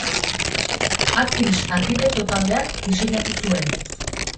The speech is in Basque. Atkins arkitekto taldeak diseinatu zuen.